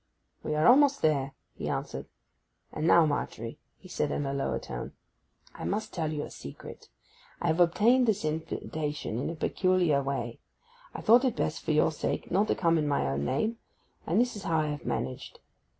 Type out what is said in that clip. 'We are almost there,' he answered. 'And now, Margery,' he said in a lower tone, 'I must tell you a secret. I have obtained this invitation in a peculiar way. I thought it best for your sake not to come in my own name, and this is how I have managed.